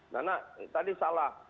nah tadi salah